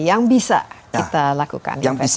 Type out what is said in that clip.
yang bisa kita lakukan investasi